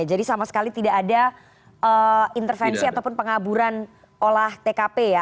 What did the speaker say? jadi sama sekali tidak ada intervensi ataupun pengaburan olah tkp ya